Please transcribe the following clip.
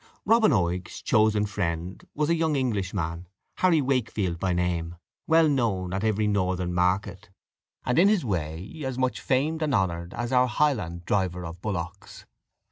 Robin Oig's chosen friend was a young Englishman, Harry Wakefield by name, well known at every northern market, and in his way as much famed and honoured as our Highland driver of bullocks.